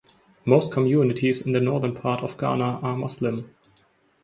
Most communities in the Northern part of Ghana are Muslim.